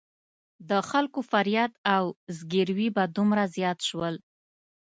د خلکو فریاد او زګېروي به دومره زیات شول.